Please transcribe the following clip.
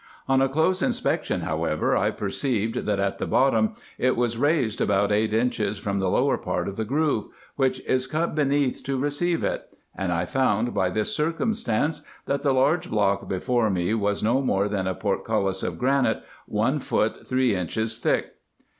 On a close inspection however I perceived, that, at the bottom, it was raised about eight inches from the lower part of the groove, which is cut beneath to receive it; and I found, by this circumstance, that the large block before me was no more than a portcullis of granite, one foot three inches thick.